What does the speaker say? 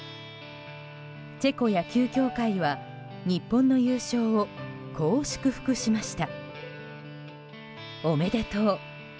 チェコ野球協会は日本の優勝をこう祝福しました。